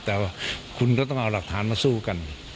แต่ว่าคุณก็ต้องเอาหลักฐานมาสู้กัน